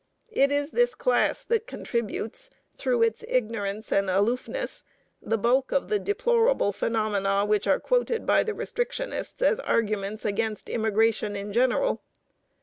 It is this class that contributes, through its ignorance and aloofness, the bulk of the deplorable phenomena which are quoted by restrictionists as arguments against immigration in general.